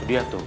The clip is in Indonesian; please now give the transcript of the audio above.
udah ya tuh